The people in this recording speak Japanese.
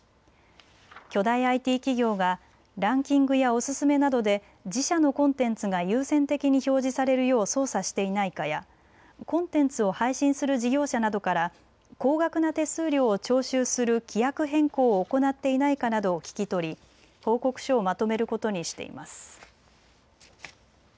巨大ＩＴ企業がランキングやおすすめなどで自社のコンテンツが優先的に表示されるよう操作していないかやコンテンツを配信する事業者などから高額な手数料を徴収する規約変更を行っていないかなどを聞き取り報告書をまとめることにしています。